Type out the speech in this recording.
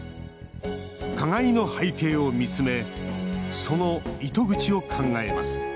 加害の背景を見つめその糸口を考えます